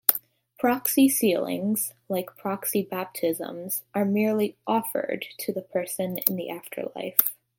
Proxy sealings, like proxy baptisms, are merely "offered" to the person in the afterlife.